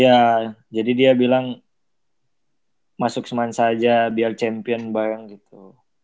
iya jadi dia bilang masuk semen saja biar champion bareng gitu